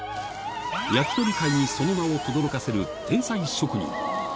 焼き鳥会にその名をとどろかせる天才職人。